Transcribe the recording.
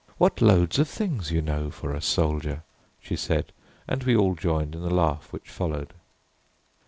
"What loads of things you know for a soldier," she said, and we all joined in the laugh which followed.